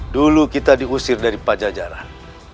dulu kita diusir dari pajajaran